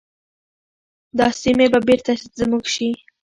دا سیمي به بیرته زموږ شي.